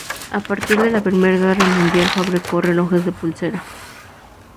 A partir de la Primera Guerra Mundial fabricó relojes de pulsera.